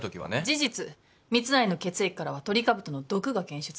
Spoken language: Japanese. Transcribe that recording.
事実密成の血液からはトリカブトの毒が検出されてる。